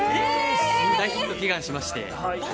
大ヒット祈願しました。